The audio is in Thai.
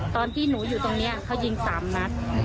ตอนที่หนูอยู่ตรงนี้เขายิง๓นัด